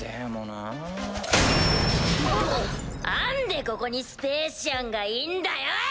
なんでここにスペーシアンがいんだよ！